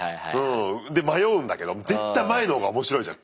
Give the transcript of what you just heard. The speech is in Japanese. で迷うんだけど絶対前のほうが面白いじゃん